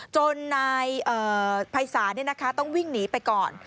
จนนายภัยศาสตร์นี่นะคะต้องวิ่งหนีไปก่อน